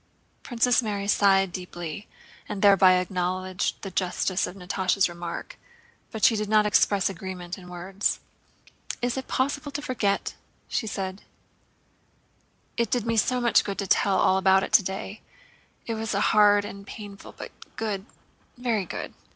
Princess Mary sighed deeply and thereby acknowledged the justice of Natásha's remark, but she did not express agreement in words. "Is it possible to forget?" said she. "It did me so much good to tell all about it today. It was hard and painful, but good, very good!"